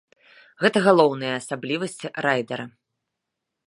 Гэта галоўная асаблівасць райдара.